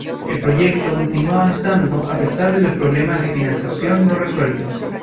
El proyecto continúa avanzando a pesar de los problemas de financiación no resueltos.